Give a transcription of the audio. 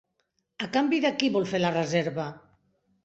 A canvi de qui vol fer la reserva?